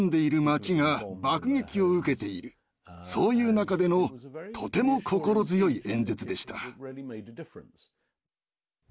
そういう中でのとても心強い演説でした。